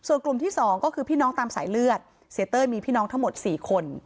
ส่วนกลุ่มที่๒ก็คือพี่น้องตามสายเลือดเสียเต้ยมีพี่น้องทั้งหมด๔คน